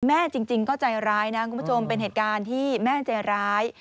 จริงก็ใจร้ายนะคุณผู้ชมเป็นเหตุการณ์ที่แม่ใจร้าย